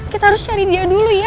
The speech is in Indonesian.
kita harus cari dia dulu ya